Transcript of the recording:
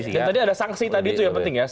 yang tadi ada sanksi tadi itu yang penting ya